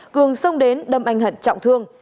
cường xông đến đâm anh hận trọng thương